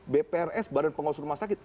bprs badan pengawas rumah sakit